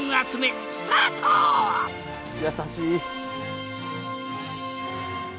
優しい。